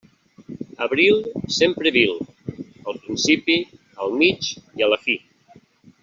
Abril sempre vil; al principi, al mig i a la fi.